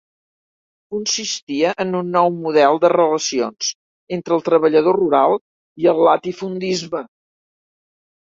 Consistia en un nou model de relacions entre el treballador rural i el latifundisme.